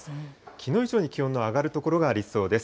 きのう以上に気温の上がる所がありそうです。